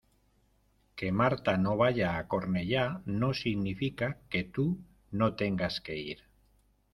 Que Marta no vaya a Cornellá no significa que tú no tengas que ir.